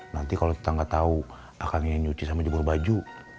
nanti kalau tetangga tau akan nyenyuci sama jemur baju